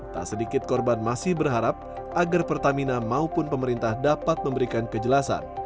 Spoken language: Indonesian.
tak sedikit korban masih berharap agar pertamina maupun pemerintah dapat memberikan kejelasan